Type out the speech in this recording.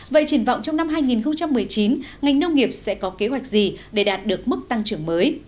vậy triển vọng trong năm hai nghìn một mươi chín ngành nông nghiệp sẽ có kế hoạch gì để đạt được mức tăng trưởng mới